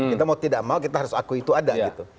kita mau tidak mau kita harus akui itu ada gitu